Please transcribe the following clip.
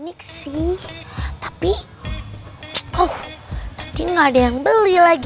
unik sih tapi nanti gak ada yang beli lagi